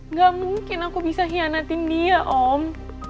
nggak mungkin aku bisa hianatin dia om